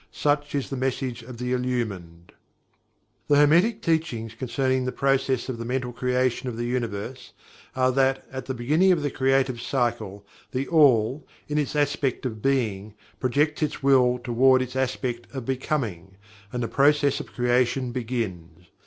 Such is the message of the Illumined. The Hermetic Teachings concerning the process of the Mental Creation of the Universe, are that at the beginning of the Creative Cycle, THE ALL, in its aspect of Being, projects its Will toward its aspect of "Becoming" and the process of creation begins.